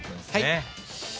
はい。